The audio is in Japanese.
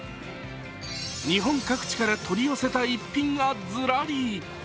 日本各地から取り寄せた逸品がズラリ。